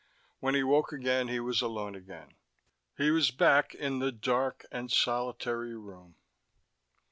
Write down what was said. When he woke again he was alone again: he was back in the dark and solitary room.